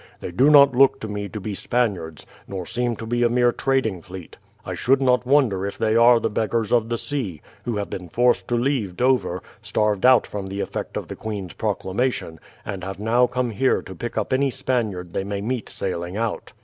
They do not look to me to be Spaniards, nor seem to be a mere trading fleet. I should not wonder if they are the beggars of the sea, who have been forced to leave Dover, starved out from the effect of the queen's proclamation, and have now come here to pick up any Spaniard they may meet sailing out."